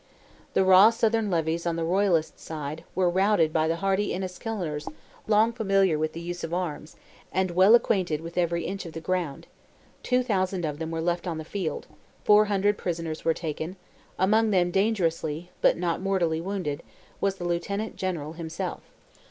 The raw southern levies on the Royalist side, were routed by the hardy Enniskilleners long familiar with the use of arms, and well acquainted with every inch of the ground; 2,000 of them were left on the field; 400 prisoners were taken, among them dangerously, but not mortally wounded, was the Lieutenant General himself.